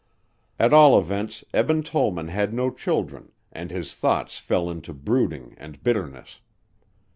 At all events Eben Tollman had no children and his thoughts fell into brooding and bitterness.